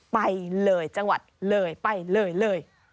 ไปเลยจังหวัดเลยไปเลยเลย